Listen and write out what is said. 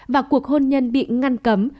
và cuộc hôn nhân bị ngăn cấm